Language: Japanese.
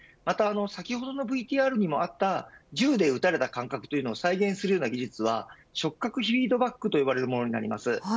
先ほどのＶＴＲにもあった銃で撃たれた感覚を再現するような技術は触覚フィードバックと呼ばれるものになります。